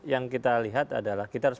yang kita lihat adalah kita harus